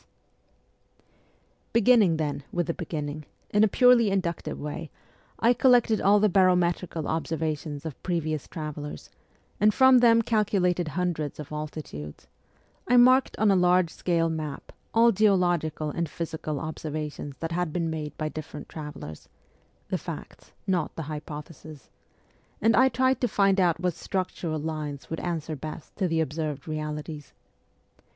PETERSBURG 5 Beginning, then, with the beginning, in a purely in ductive way,I collected all the barometrical observations of previous travellers, and from them calculated hun dreds of altitudes ; I marked on a large scale map all geological and physical observations that had been made by different travellers the facts, not the hypotheses and I tried to find out what structural lines would answer best to the observed realities.